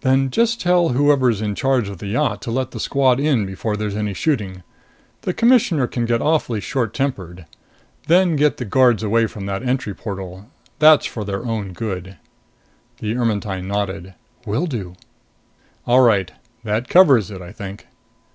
"Then just tell whoever's in charge of the yacht to let the squad in before there's any shooting. The Commissioner can get awfully short tempered. Then get the guards away from that entry portal. That's for their own good." The Ermetyne nodded. "Will do." "All right. That covers it, I think."